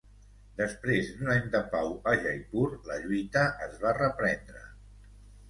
Després d'un any de pau a Jaipur, la lluita es va reprendre.